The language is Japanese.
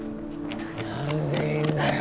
何でいんだよ。